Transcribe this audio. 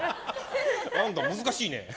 何だ、難しいね。